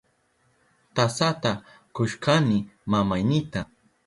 Tasata kushkani mamaynita.